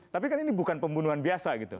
tapi kan ini bukan pembunuhan biasa gitu